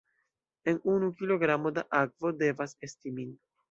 En unu kilogramo da akvo, devas esti min.